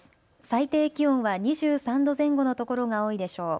最低気温は２３度前後の所が多いでしょう。